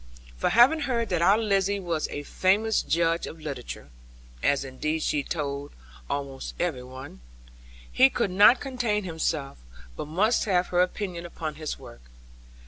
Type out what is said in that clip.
For having heard that our Lizzie was a famous judge of literature (as indeed she told almost every one), he could not contain himself, but must have her opinion upon his work.